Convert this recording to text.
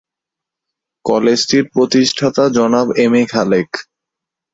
কলেজটির প্রতিষ্ঠাতা জনাব M A Khalek.